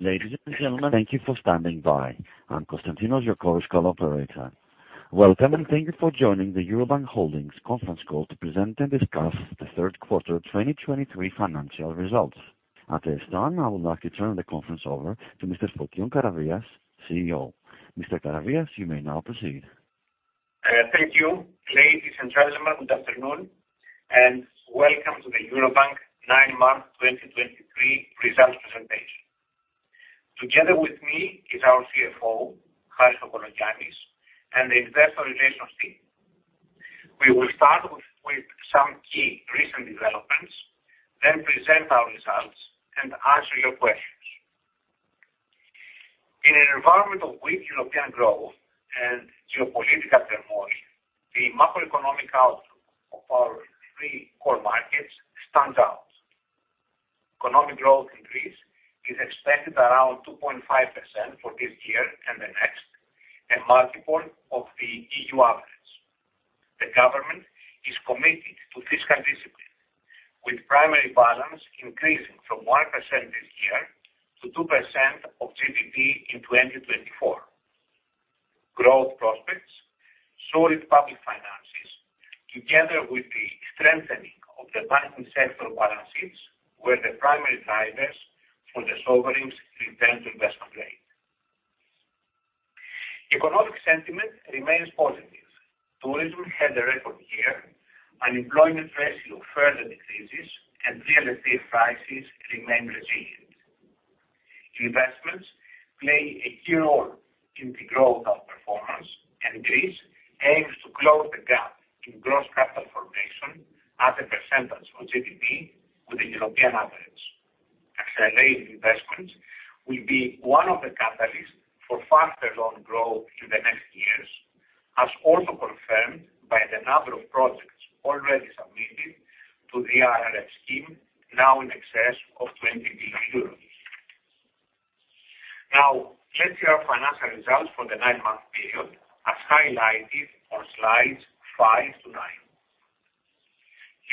Ladies and gentlemen, thank you for standing by. I'm Constantinos, your call, call operator. Welcome, and thank you for joining the Eurobank Holdings conference call to present and discuss the third quarter 2023 financial results. At this time, I would like to turn the conference over to Mr. Fokion Karavias, CEO. Mr. Karavias, you may now proceed. Thank you. Ladies and gentlemen, good afternoon, and welcome to the Eurobank nine-month 2023 results presentation. Together with me is our CFO, Harris Kokologiannis, and the investor relations team. We will start with some key recent developments, then present our results and answer your questions. In an environment of weak European growth and geopolitical turmoil, the macroeconomic outlook of our three core markets stand out. Economic growth in Greece is expected around 2.5% for this year and the next, a multiple of the EU average. The government is committed to fiscal discipline, with primary balance increasing from 1% this year to 2% of GDP in 2024. Growth prospects, solid public finances, together with the strengthening of the banking sector balance sheets, were the primary drivers for the sovereign's return to investment grade. Economic sentiment remains positive. Tourism had a record year, unemployment ratio further decreases, and real estate prices remain resilient. Investments play a key role in the growth of performance, and Greece aims to close the gap in gross capital formation as a percentage of GDP with the European average. Accelerated investments will be one of the catalysts for faster loan growth in the next years, as also confirmed by the number of projects already submitted to the RRF scheme, now in excess of 20 billion euros. Now, let's hear our financial results for the nine-month period, as highlighted on slides five to nine.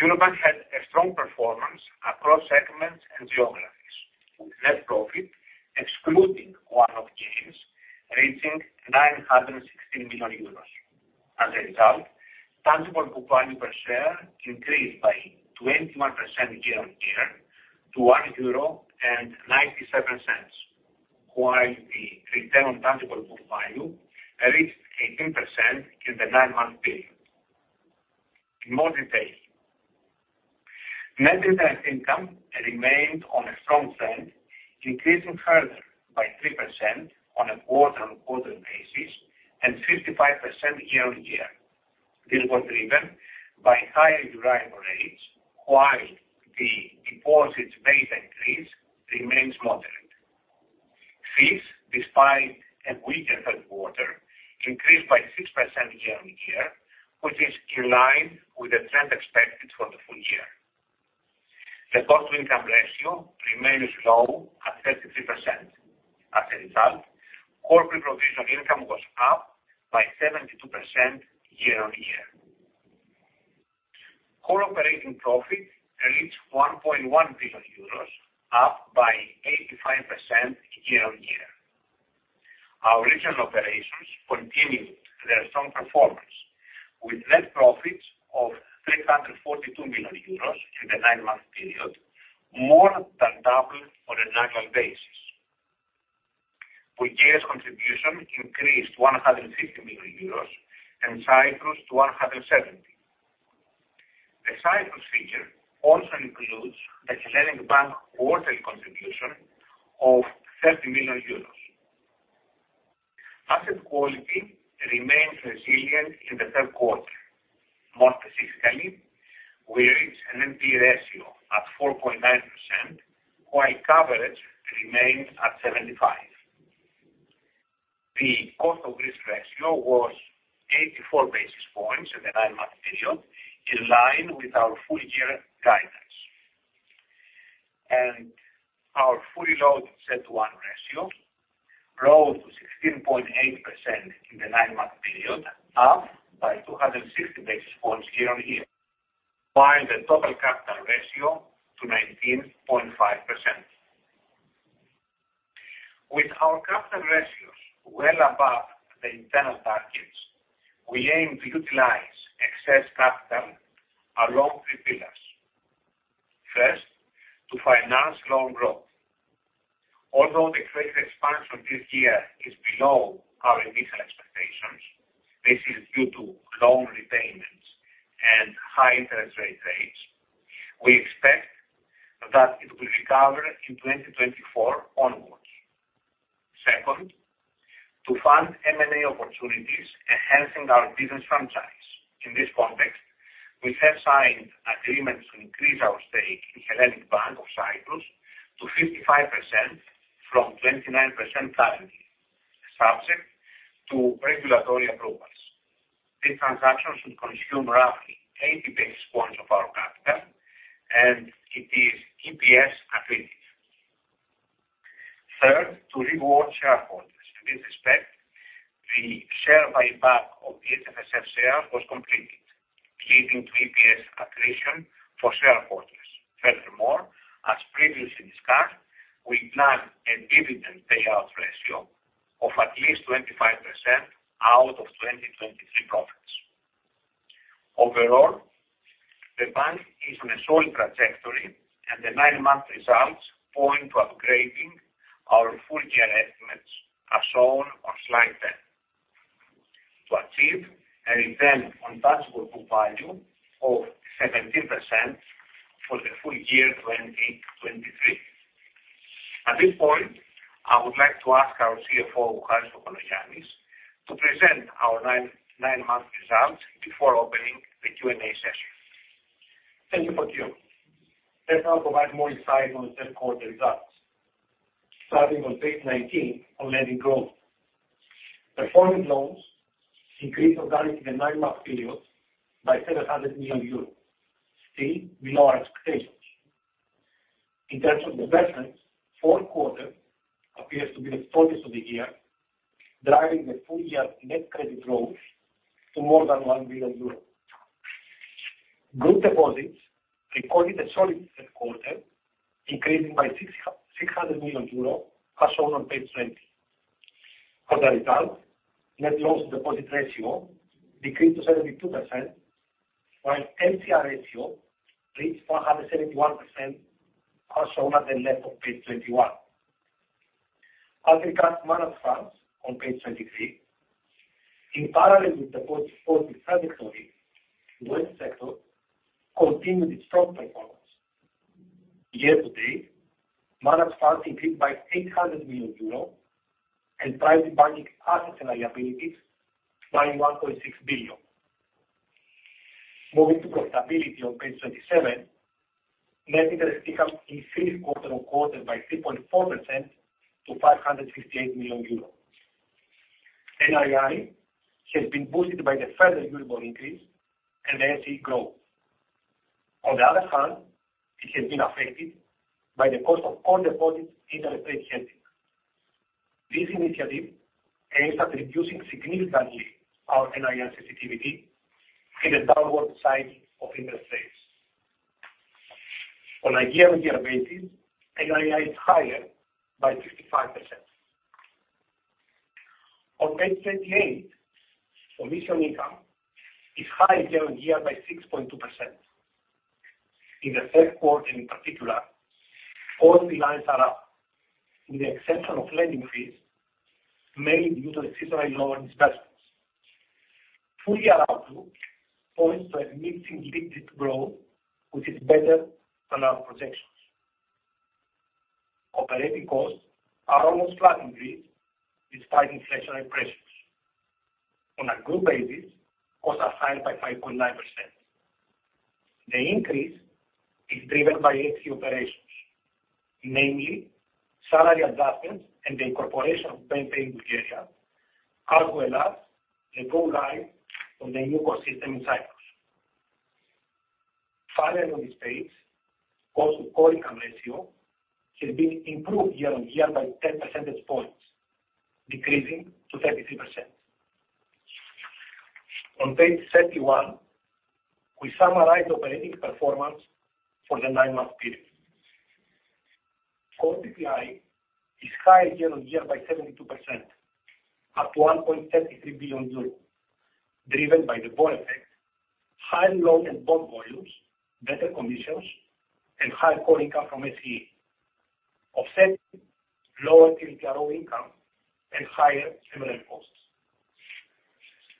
Eurobank had a strong performance across segments and geographies, with net profit excluding one-off gains, reaching 916 million euros. As a result, tangible book value per share increased by 21% year-over-year to 1.97 euro, while the return on tangible book value reached 18% in the nine-month period. In more detail, net interest income remained on a strong trend, increasing further by 3% on a quarter-over-quarter basis and 55% year-over-year. This was driven by higher Euribor rates, while the deposits base increase remains moderate. Fees, despite a weaker third quarter, increased by 6% year-over-year, which is in line with the trend expected for the full year. The cost-to-income ratio remains low at 33%. As a result, corporate provision income was up by 72% year-over-year. Core operating profit reached 1.1 billion euros, up by 85% year-over-year. Our regional operations continued their strong performance, with net profits of 342 million euros in the nine-month period, more than double on an annual basis. Bulgaria's contribution increased 150 million euros, and Cyprus, 170 million. The Cyprus figure also includes the Hellenic Bank quarter contribution of 30 million euros. Asset quality remains resilient in the third quarter. More specifically, we reached an NPA ratio at 4.9%, while coverage remains at 75. The cost of risk ratio was 84 basis points in the nine-month period, in line with our full-year guidance. Our fully loaded CET1 ratio rose to 16.8% in the 9-month period, up by 260 basis points year-on-year, while the total capital ratio to 19.5%. With our capital ratios well above the internal targets, we aim to utilize excess capital along three pillars. First, to finance loan growth. Although the credit expansion this year is below our initial expectations, this is due to loan repayments and high interest rates, we expect that it will recover in 2024 onwards. Second, to fund M&A opportunities, enhancing our business franchise. In this context, we have signed agreements to increase our stake in Hellenic Bank of Cyprus to 55% from 29% currently, subject to regulatory approvals. This transaction should consume roughly 80 basis points of our capital, and it is EPS accretive. Third, to reward shareholders. In this respect, the share buyback of the HFSF shares was completed, leading to EPS accretion for shareholders. Furthermore, as previously discussed, we plan a dividend payout ratio of at least 25% out of 2023 profits. Overall, the bank is in a solid trajectory, and the nine-month results point to upgrading our full year estimates, as shown on slide 10, to achieve a return on tangible book value of 17% for the full year 2023. At this point, I would like to ask our CFO, Harris Kokologiannis, to present our nine-month results before opening the Q&A session. Thank you, Fokion. Let me now provide more insight on the third quarter results. Starting on page 19 on lending growth. Performing loans increased during the nine-month period by 700 million euros, still below our expectations. In terms of investments, fourth quarter appears to be the focus of the year, driving the full year net credit growth to more than 1 billion euros. Group deposits recorded a solid third quarter, increasing by 600 million euros, as shown on page 20. As a result, net loans deposit ratio decreased to 72%, while LCR ratio reached 171%, as shown at the left of page 21. As regards managed funds on page 23, in parallel with the positive trajectory, the sector continued its strong performance. Year to date, managed funds increased by 800 million euro, and private banking assets and liabilities by 1.6 billion. Moving to profitability on page 27, net interest income increased quarter-over-quarter by 3.4% to 558 million euros. NII has been boosted by the further Euribor increase and the. On the other hand, it has been affected by the cost of all deposits interest rate hedging. This initiative aims at reducing significantly our NII sensitivity in the downward side of interest rates. On a year-on-year basis, NII is higher by 55%. On page 28, commission income is higher year-on-year by 6.2%. In the third quarter, in particular, all the lines are up, with the exception of lending fees, mainly due to seasonally lower disbursements. Full-year outlook points to a mid-single-digit growth, which is better than our projections. Operating costs are almost flat increased, despite inflationary pressures. On a group basis, costs are higher by 5.9%. The increase is driven by Hellenic operations, namely salary adjustments and the incorporation of Bank of Cyprus, as well as the go-live on the new ecosystem in Cyprus. Finally, on this page, cost-to-income ratio has been improved year-on-year by 10 percentage points, decreasing to 33%. On page 31, we summarize operating performance for the nine-month period. Core PPI is higher year-on-year by 72%, at 1.33 billion euros, driven by the bond effect, high loan and bond volumes, better conditions, and higher core income from SEE, offsetting lower TRO income and higher M&A costs.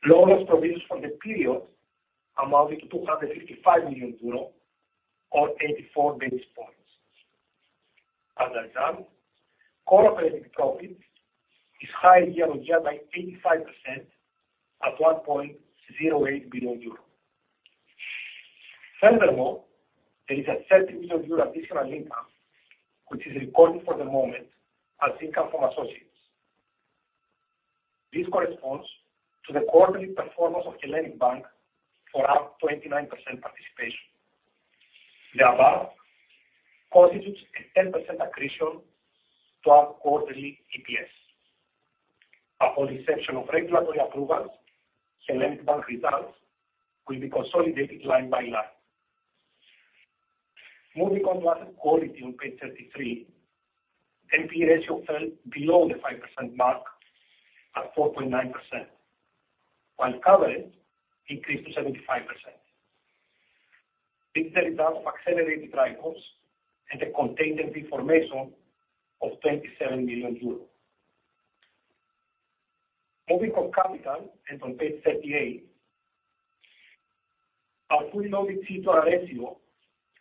Loans produced for the period amounted to 255 million euros, or 84 basis points. As a result, core operating profit is higher year-on-year by 85% at 1.08 billion euro. Furthermore, there is a 30 million euro additional income, which is recorded for the moment as income from associates. This corresponds to the quarterly performance of Hellenic Bank for up 29% participation. The above constitutes a 10% accretion to our quarterly EPS. Upon reception of regulatory approvals, Hellenic Bank results will be consolidated line by line. Moving on to asset quality on page 33, NPA ratio fell below the 5% mark at 4.9%, while coverage increased to 75%. This is the result of accelerated write-offs and the containment reformation of EUR 27 million. Moving on capital and on page 38, our fully loaded CET1 ratio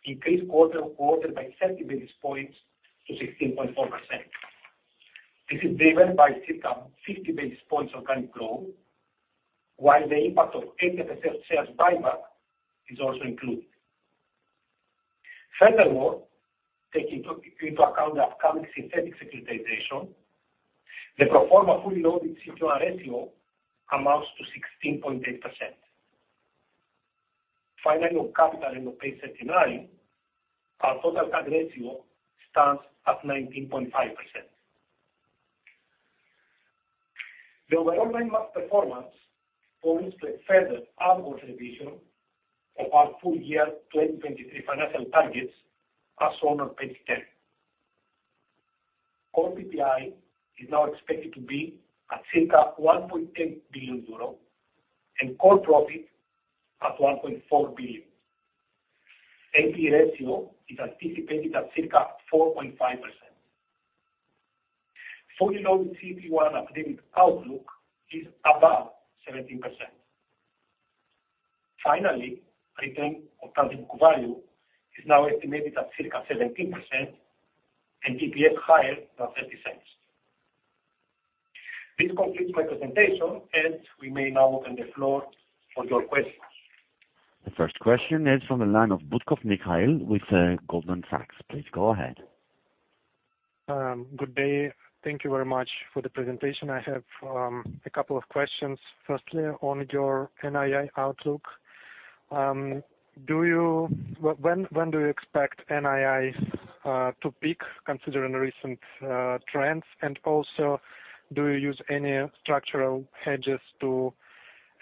increased quarter on quarter by 30 basis points to 16.4%. This is driven by circa 50 basis points organic growth, while the impact of HFSF shares buyback is also included. Furthermore, taking into account the upcoming synthetic securitization, the pro forma fully loaded CET1 ratio amounts to 16.8%.... Finally, on capital and on page 39, our total capital ratio stands at 19.5%. The overall performance points to a further upward revision of our full year 2023 financial targets, as shown on page 10. Core PPI is now expected to be at circa 1.8 billion euro, and core profit at 1.4 billion. NPE ratio is anticipated at circa 4.5%. Fully loaded CET1 academic outlook is above 17%. Finally, return on tangible book value is now estimated at circa 17% and EPS higher than 0.30. This completes my presentation, and we may now open the floor for your questions. The first question is from the line of Mikhail Butkov with Goldman Sachs. Please go ahead. Good day. Thank you very much for the presentation. I have a couple of questions. Firstly, on your NII outlook, do you expect NII to peak, considering recent trends? And also, do you use any structural hedges to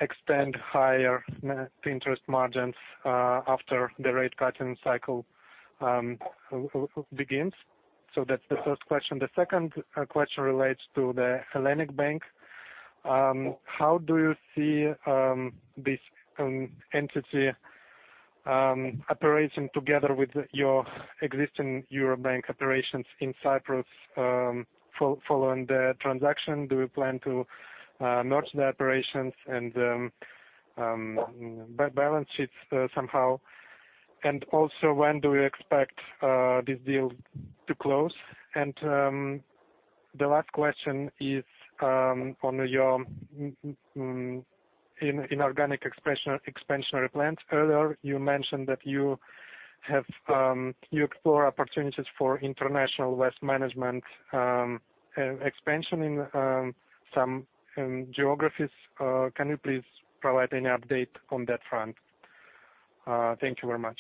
extend higher net interest margins after the rate cutting cycle begins? So that's the first question. The second question relates to the Hellenic Bank. How do you see this entity operating together with your existing Eurobank operations in Cyprus, following the transaction? Do you plan to merge the operations and balance sheets somehow? And also, when do you expect this deal to close? And the last question is on your inorganic expansionary plans. Earlier, you mentioned that you explore opportunities for international wealth management expansion in some geographies. Can you please provide any update on that front? Thank you very much.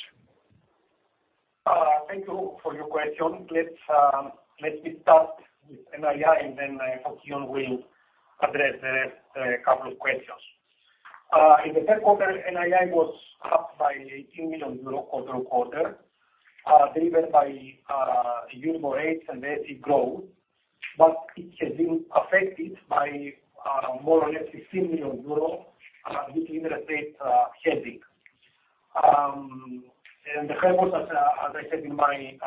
Thank you for your question. Let's let me start with NII, and then I hope you will address the couple of questions. In the third quarter, NII was up by 8 million euro quarter-on-quarter, driven by Euribor rates and asset growth, but it has been affected by more or less 16 million euros with interest rate hedging. And the purpose, as I said in my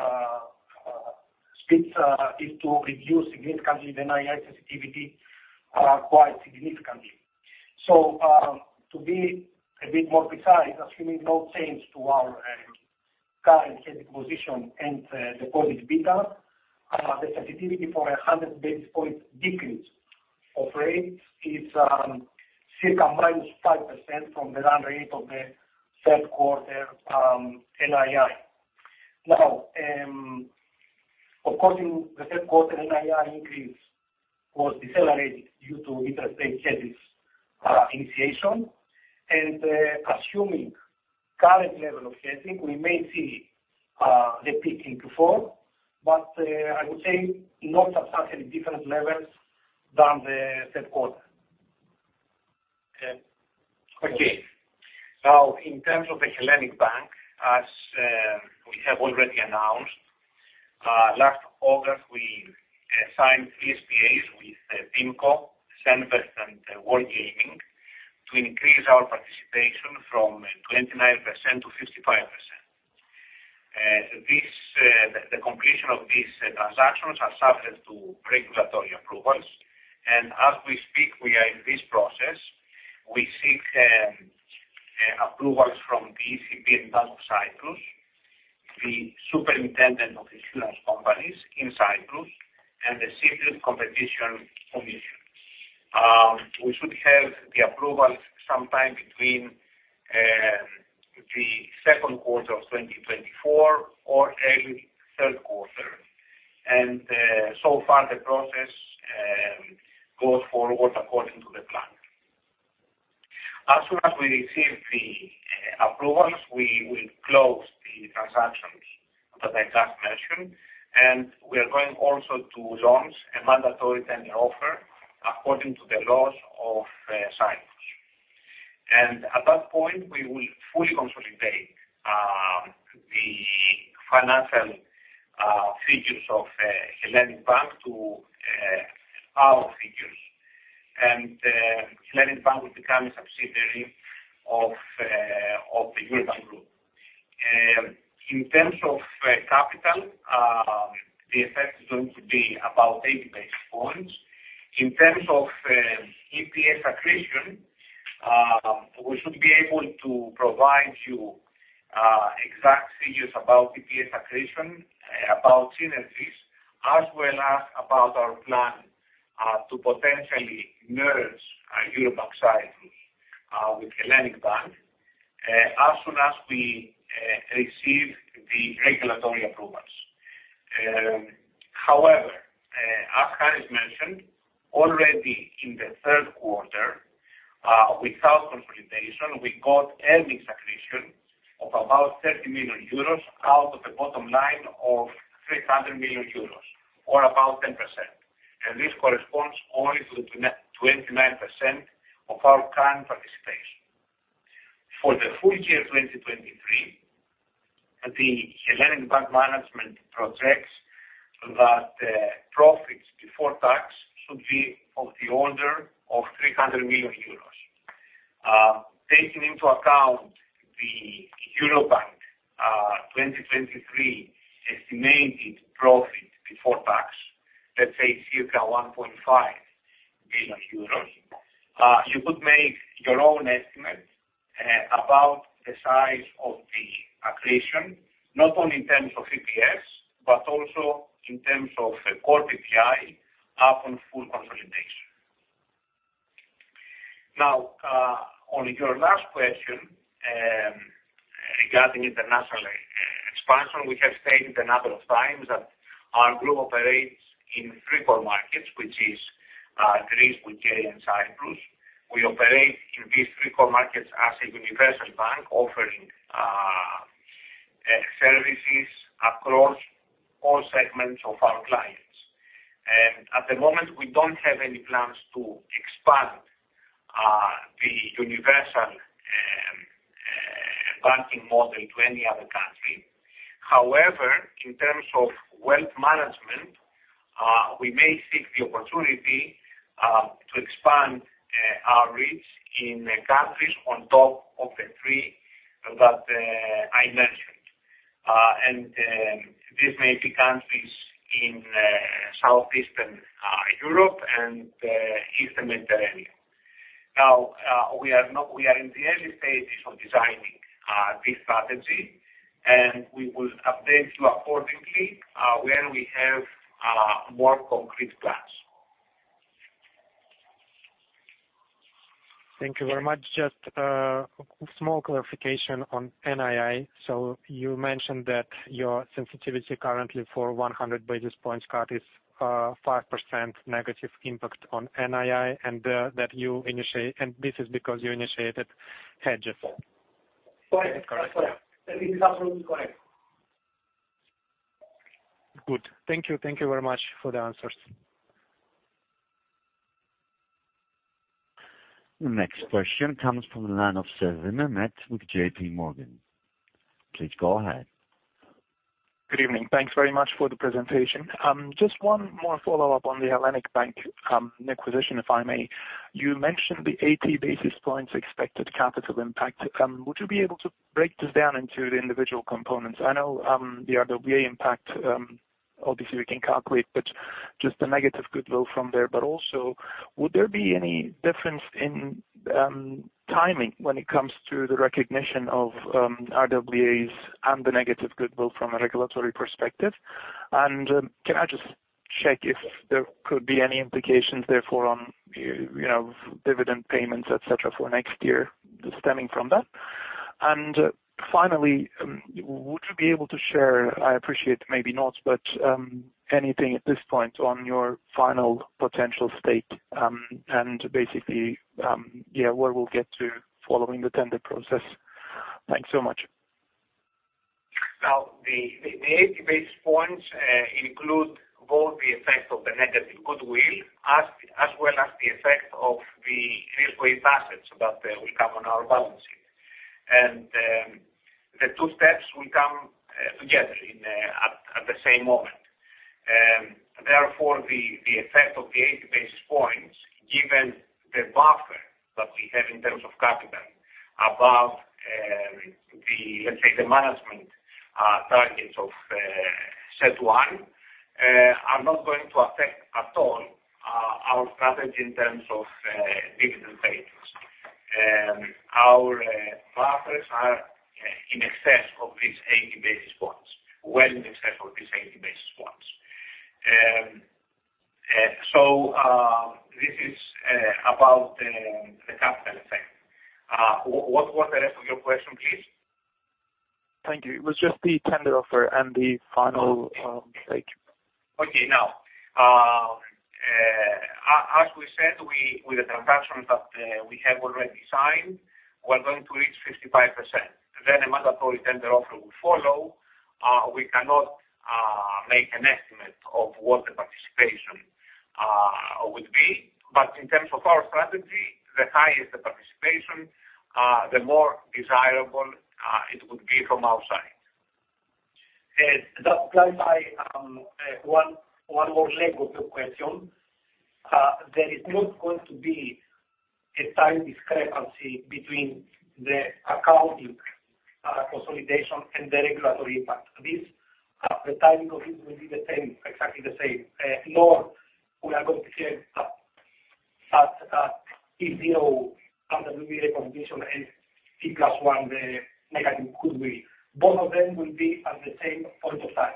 speech, is to reduce significantly the NII sensitivity quite significantly. So, to be a bit more precise, assuming no change to our current hedging position and the deposit beta, the sensitivity for a 100 basis point decrease of rates is circa -5% from the run rate of the third quarter NII. Now, of course, in the third quarter, NII increase was decelerated due to interest rate hedges, initiation. Assuming current level of hedging, we may see the peak in Q4, but I would say not substantially different levels than the third quarter. Okay. Now, in terms of the Hellenic Bank, as we have already announced last August, we signed PSAs with PIMCO, Senvest, and Wargaming to increase our participation from 29% to 55%. This, the completion of these transactions are subject to regulatory approvals, and as we speak, we are in this process. We seek approvals from the ECB and Bank of Cyprus, the Superintendent of Insurance Companies in Cyprus, and the Cyprus Competition Commission. We should have the approvals sometime between the second quarter of 2024 or early third quarter. So far the process goes forward according to the plan. As soon as we receive the approvals, we will close the transactions that I just mentioned, and we are going also to launch a mandatory tender offer according to the laws of Cyprus. At that point, we will fully consolidate the financial figures of Hellenic Bank to our figures. Hellenic Bank will become a subsidiary of the Eurobank Group. In terms of capital, the effect is going to be about eight basis points. In terms of EPS accretion, we should be able to provide you exact figures about EPS accretion, about synergies, as well as about our plan to potentially merge Eurobank Cyprus with Hellenic Bank as soon as we receive the regulatory approvals. However, as mentioned, already in the third quarter, without consolidation, we got earnings accretion of about 30 million euros out of the bottom line of 300 million euros, or about 10%. This corresponds only to the 29% of our current participation. For the full-year, 2023, the Hellenic Bank management projects that, profits before tax should be of the order of 300 million euros. Taking into account the Eurobank, 2023 estimated profit before tax, let's say circa 1.5 billion euros. You could make your own estimate, about the size of the accretion, not only in terms of EPS, but also in terms of the core PPI upon full consolidation. Now, on your last question, regarding international expansion, we have stated a number of times that our group operates in three core markets, which is Greece, Bulgaria, and Cyprus. We operate in these three core markets as a universal bank, offering services across all segments of our clients. And at the moment, we don't have any plans to expand the universal banking model to any other country. However, in terms of wealth management, we may seek the opportunity to expand our reach in countries on top of the three that I mentioned. And this may be countries in Southeastern Europe and Eastern Mediterranean. Now, we are in the early stages of designing this strategy, and we will update you accordingly when we have more concrete plans. Thank you very much. Just small clarification on NII. So you mentioned that your sensitivity currently for 100 basis points cut is 5% negative impact on NII, and that you initiate... And this is because you initiated hedges? Correct. Correct. That is absolutely correct. Good. Thank you. Thank you very much for the answers. The next question comes from the line of Sevim Mehmet with JPMorgan. Please go ahead. Good evening. Thanks very much for the presentation. Just one more follow-up on the Hellenic Bank acquisition, if I may. You mentioned the 80 basis points expected capital impact. Would you be able to break this down into the individual components? I know the RWA impact, obviously we can calculate, but just the negative goodwill from there. But also, would there be any difference in timing when it comes to the recognition of RWAs and the negative goodwill from a regulatory perspective? And can I just check if there could be any implications therefore on, you know, dividend payments, et cetera, for next year stemming from that? Finally, would you be able to share? I appreciate maybe not, but anything at this point on your final potential stake, and basically, yeah, where we'll get to following the tender process? Thanks so much. Now, the 80 basis points include both the effect of the negative goodwill as well as the effect of the risk-weighted assets that will come on our balance sheet. And the two steps will come together in at the same moment. Therefore, the effect of the 80 basis points, given the buffer that we have in terms of capital above the, let's say, management targets of CET1, are not going to affect at all our strategy in terms of dividend payments. Our buffers are in excess of these 80 basis points, well in excess of these 80 basis points. So this is about the capital effect. What was the rest of your question, please? Thank you. It was just the tender offer and the final, take. Okay, now, as we said, we, with the transaction that we have already signed, we're going to reach 55%. Then a mandatory tender offer will follow. We cannot make an estimate of what the participation would be. But in terms of our strategy, the higher the participation, the more desirable it would be from our side. That applies by one more leg of the question. There is not going to be a time discrepancy between the accounting consolidation and the regulatory impact. This, the timing of it will be the same, exactly the same. Nor we are going to change that condition and T plus one, the negative goodwill. Both of them will be at the same point of time.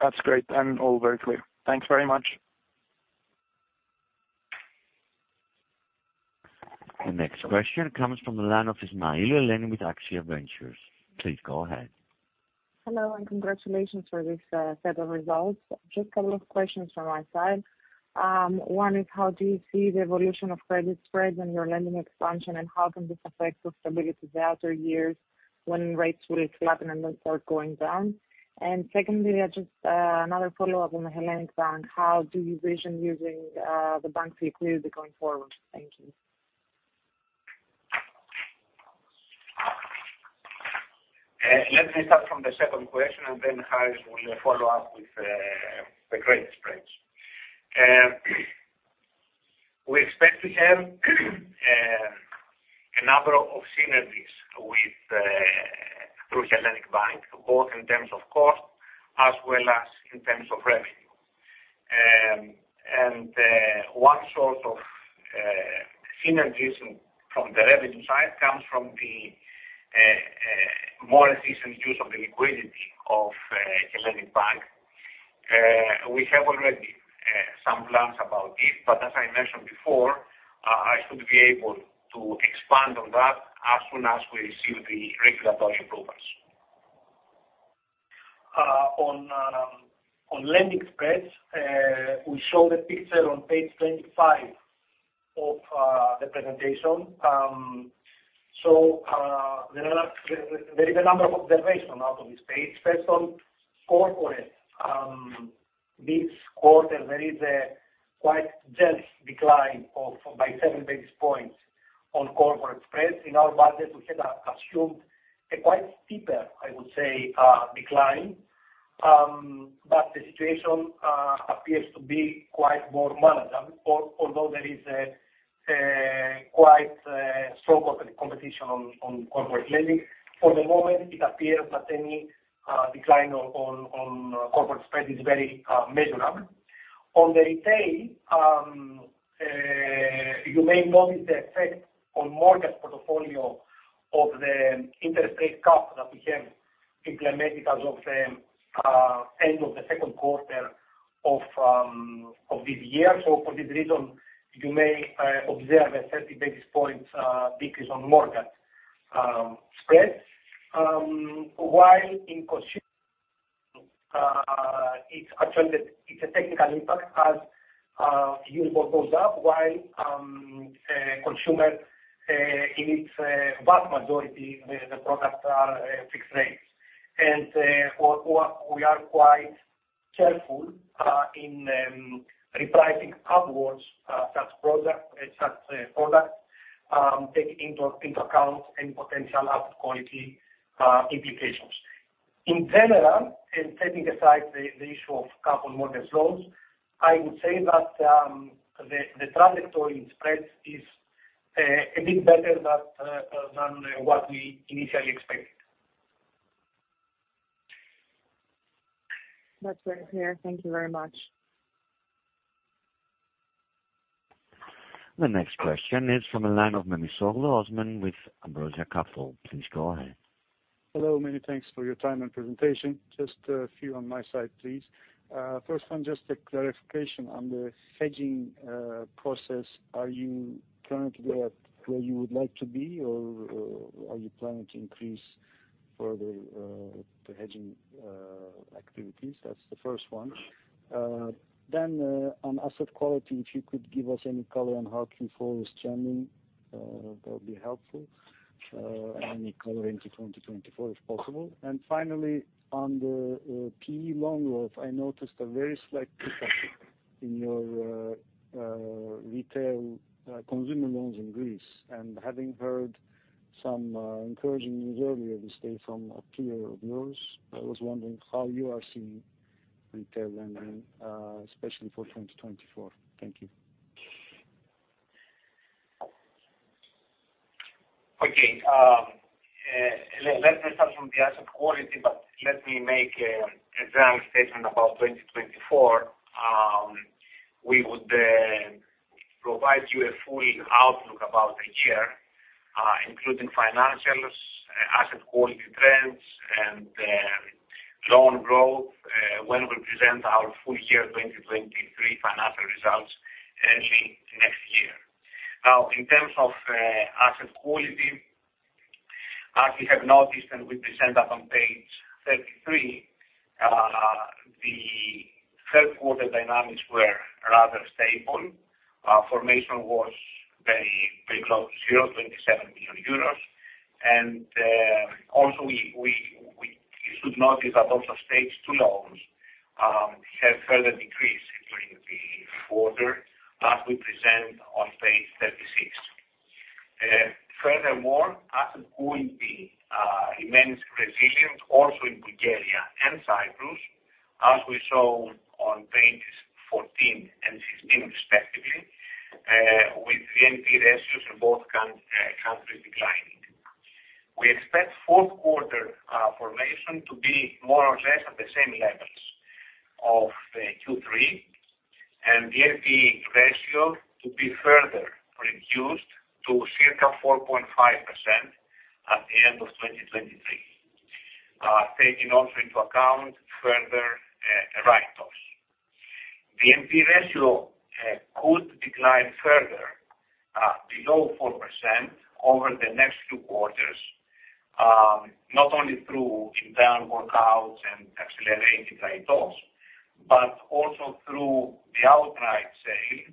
That's great, and all very clear. Thanks very much.... The next question comes from the line of Ismailou Eleni with Axia Ventures. Please go ahead. Hello, and congratulations for this set of results. Just a couple of questions from my side. One is, how do you see the evolution of credit spreads and your lending expansion, and how can this affect your stability throughout the years when rates will flatten and then start going down? And secondly, I just another follow-up on the Hellenic Bank, how do you envision using the bank's liquidity going forward? Thank you. Let me start from the second question, and then Harris will follow up with the credit spreads. We expect to have a number of synergies through Hellenic Bank, both in terms of cost as well as in terms of revenue. And one source of synergies from the revenue side comes from the more efficient use of the liquidity of Hellenic Bank. We have already some plans about it, but as I mentioned before, I should be able to expand on that as soon as we receive the regulatory approvals. On lending spreads, we show the picture on page 25 of the presentation. So there is a number of observations out of this page. First, on corporate, this quarter, there is a quite gentle decline of by 7 basis points on corporate spreads. In our budget, we had assumed a quite steeper, I would say, decline. But the situation appears to be quite more manageable, although there is a quite strong corporate competition on corporate lending. For the moment, it appears that any decline on corporate spread is very measurable. On the retail, you may notice the effect on mortgage portfolio of the interest rate cap that we have implemented as of end of the second quarter of this year. So for this reason, you may observe a 30 basis points decrease on mortgage spreads. While in consumer, it's actually the, it's a technical impact as Euribor goes up, while consumer, in its vast majority, the products are fixed rates. And what we are quite careful in repricing upwards such products take into account any potential asset quality implications. In general, and setting aside the issue of cap on mortgage loans, I would say that the trajectory in spreads is a bit better than what we initially expected. That's very clear. Thank you very much. The next question is from the line of Osman Memisoglu with Ambrosia Capital. Please go ahead. Hello, many thanks for your time and presentation. Just a few on my side, please. First one, just a clarification on the hedging process. Are you currently where you would like to be, or are you planning to increase further the hedging activities? That's the first one. Then, on asset quality, if you could give us any color on how Q4 is trending, that would be helpful. Any color into 2024, if possible. And finally, on the PE loan growth, I noticed a very slight decrease in your retail consumer loans in Greece. And having heard some encouraging news earlier this day from a peer of yours, I was wondering how you are seeing retail lending, especially for 2024. Thank you. Okay, let me start from the asset quality, but let me make a general statement about 2024. We would provide you a full outlook about the year, including financials, asset quality trends, and loan growth, when we present our full year 2023 financial results early next year. Now, in terms of asset quality, as you have noticed, and we present that on page 33, the third quarter dynamics were rather stable. Formation was very, very close to zero, 27 billion euros. And also you should notice that also Stage Two loans have further decreased during the quarter, as we present on page 36. Furthermore, asset quality remains resilient also in Bulgaria and Cyprus, as we saw on pages 14 and 16 respectively, with the NPL ratios in both countries declining. We expect fourth quarter formation to be more or less at the same levels of Q3, and the NPL ratio to be further reduced to circa 4.5% at the end of 2023, taking also into account further write-offs. The NPL ratio could decline further below 4% over the next two quarters, not only through inbound workouts and accelerated write-offs, but also through the outright sale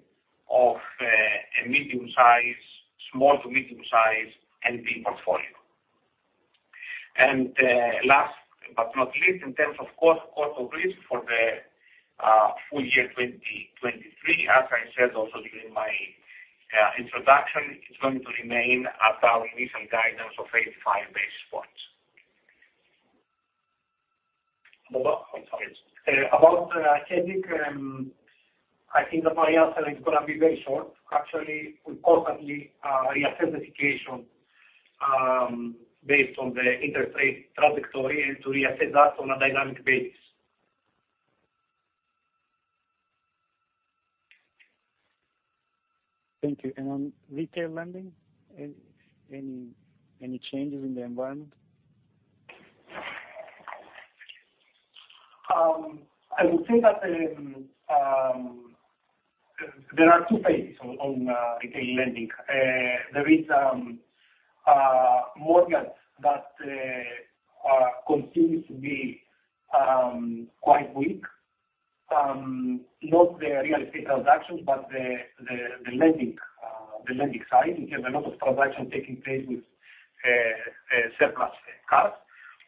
of a medium size, small to medium size NPL portfolio. Last but not least, in terms of cost, cost of risk for the full year 2023, as I said also during my introduction, it's going to remain at our recent guidance of 85 basis points. About, I'm sorry, about, I think that my answer is gonna be very short. Actually, we constantly reassess education based on the interest rate trajectory and to reassess that on a dynamic basis. Thank you, and on retail lending, any changes in the environment? I would say that there are two phases on retail lending. There is mortgage that are continues to be quite weak. Not the real estate transactions, but the lending side. We have a lot of transactions taking place with surplus cash.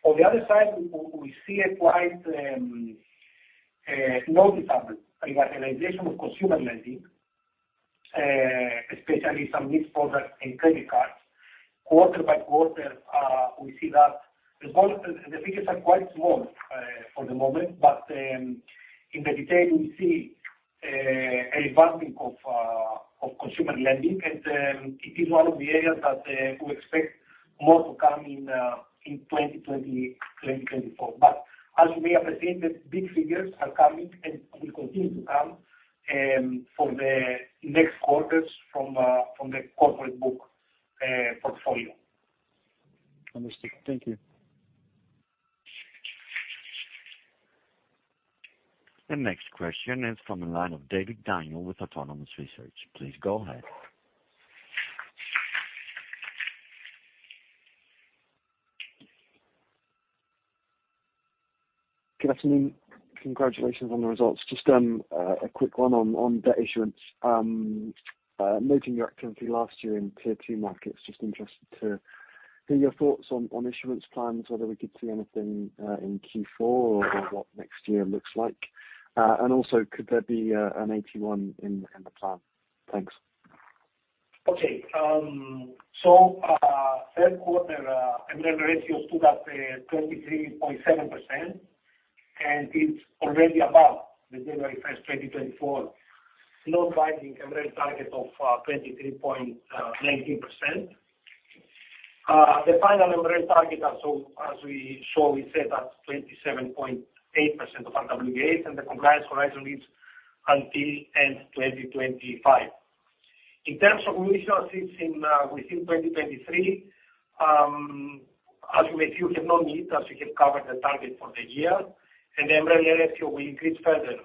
On the other side, we see a quite noticeable revitalization of consumer lending, especially some mixed products and credit cards. Quarter by quarter, we see that the volume, the figures are quite small for the moment, but in the detail, we see a revamping of consumer lending, and it is one of the areas that we expect more to come in in 2020, 2024. As you may have seen, the big figures are coming and will continue to come for the next quarters from the corporate book portfolio. Understood. Thank you. The next question is from the line of Daniel David with Autonomous Research. Please go ahead. Good afternoon. Congratulations on the results. Just a quick one on the issuance. Noting your activity last year in Tier 2 markets, just interested to hear your thoughts on issuance plans, whether we could see anything in Q4 or what next year looks like. And also could there be an AT1 in the plan? Thanks. Okay, so, third quarter MREL ratio stood at 23.7%, and it's already above the January 1, 2024, non-binding MREL target of 23.19%. The final MREL target, as so, as we saw, we said that 27.8% of RWA, and the compliance horizon leads until end 2025. In terms of initiatives in within 2023, as you may see, we have no need, as we have covered the target for the year, and the MREL ratio will increase further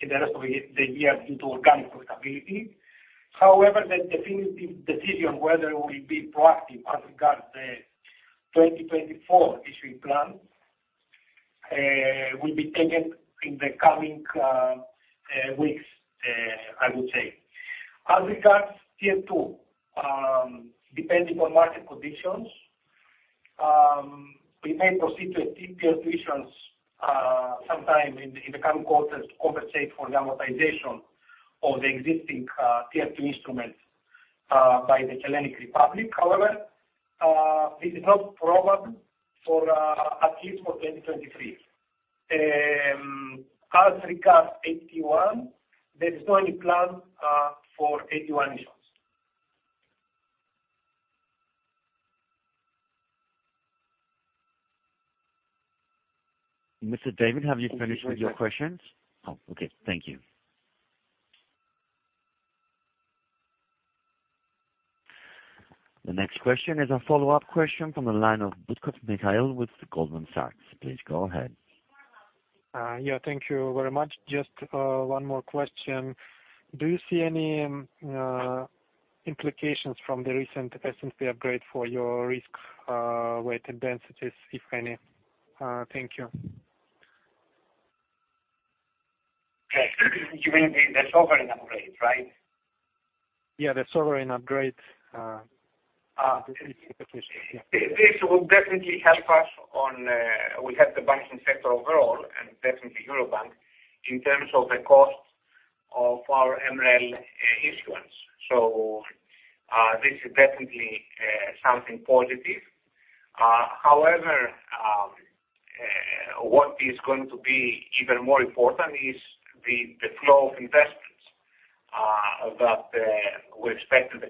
in the rest of the year due to organic profitability. However, the definitive decision on whether we'll be proactive as regards the 2024 issuing plan will be taken in the coming weeks, I would say. As regards Tier 2, depending on market conditions, we may proceed to a Tier 2 issuance sometime in the coming quarters to compensate for the amortization of the existing Tier 2 instruments by the Hellenic Republic. However, this is not probable for at least 2023. As regards AT1, there is no any plan for AT1 issuance. Mr. David, have you finished with your questions? Oh, okay. Thank you. The next question is a follow-up question from the line of Mikhail Butkov with Goldman Sachs. Please go ahead. Yeah, thank you very much. Just one more question. Do you see any implications from the recent S&P upgrade for your risk weight and densities, if any? Thank you. You mean the sovereign upgrade, right? Yeah, the sovereign upgrade- Ah. Yeah. This will definitely help us on the banking sector overall, and definitely Eurobank, in terms of the cost of our MREL issuance. This is definitely something positive. However, what is going to be even more important is the flow of investments that we expect in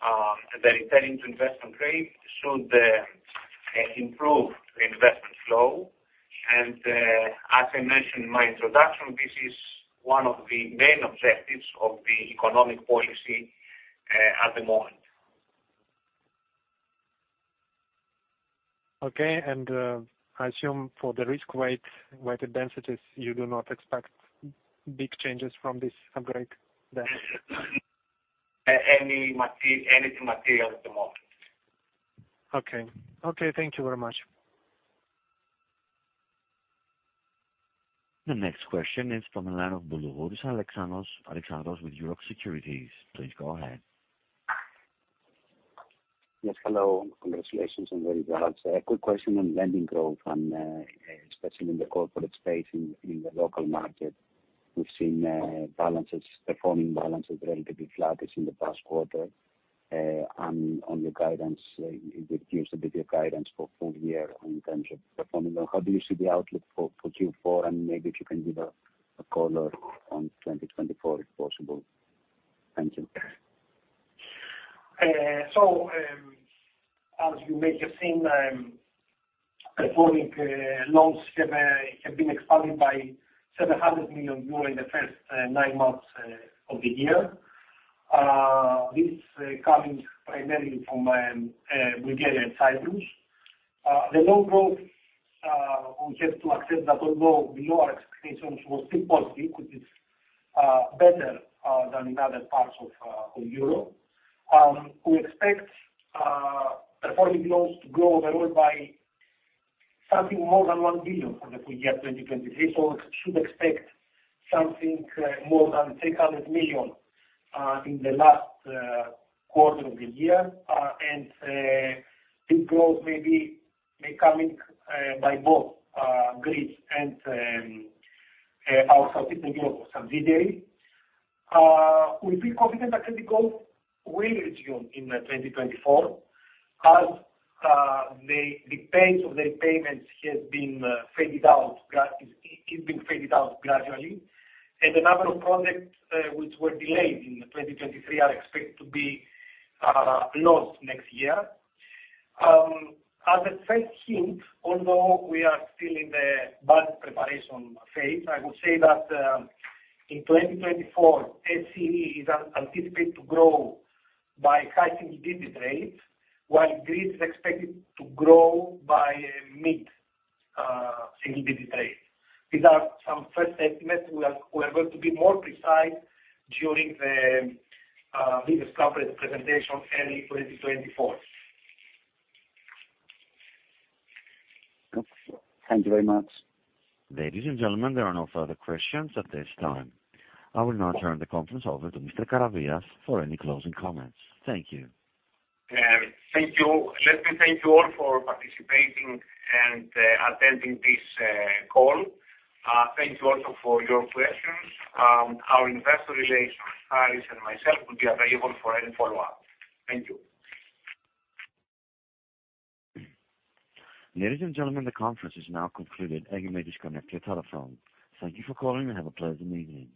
the country. Definitely, the returning to investment grade should improve investment flow, and, as I mentioned in my introduction, this is one of the main objectives of the economic policy at the moment.... Okay, and I assume for the risk-weighted assets you do not expect big changes from this upgrade then? Anything material at the moment. Okay. Okay, thank you very much. The next question is from the line of Alexandros Boulougouris. Alexandros with Euroxx Securities, please go ahead. Yes, hello. Congratulations and very well. So a quick question on lending growth and, especially in the corporate space in, in the local market. We've seen, balances, performing balances relatively flat as in the past quarter. And on your guidance, you, you gave a bit of guidance for full year in terms of performing. How do you see the outlook for, for Q4? And maybe if you can give a, a color on 2024, if possible. Thank you. So, as you may have seen, performing loans have been expanded by 700 million euros in the first nine months of the year. This coming primarily from Bulgaria and Cyprus. The loan growth, we have to accept that although below our expectations, was still positive, which is better than in other parts of Europe. We expect performing loans to grow overall by something more than 1 billion for the full year 2023. So we should expect something more than 300 million in the last quarter of the year. And this growth may be coming by both Greece and our Southeastern Europe subsidiary. We feel confident that the growth will resume in 2024 as the pace of the payments has been faded out gradually, and a number of projects which were delayed in 2023 are expected to be launched next year. As a first hint, although we are still in the budget preparation phase, I will say that in 2024, SCE is anticipated to grow by high single digit rates, while Greece is expected to grow by a mid single digit rate. These are some first estimates. We are going to be more precise during the business conference presentation early 2024. Okay. Thank you very much. Ladies and gentlemen, there are no further questions at this time. I will now turn the conference over to Mr. Karavias for any closing comments. Thank you. Thank you. Let me thank you all for participating and attending this call. Thank you also for your questions. Our investor relations, Harris, and myself will be available for any follow-up. Thank you. Ladies and gentlemen, the conference is now concluded, and you may disconnect your telephone. Thank you for calling, and have a pleasant evening.